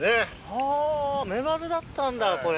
はぁメバルだったんだこれ。